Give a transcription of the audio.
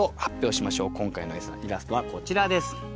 今回のイラストはこちらです。